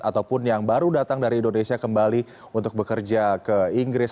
ataupun yang baru datang dari indonesia kembali untuk bekerja ke inggris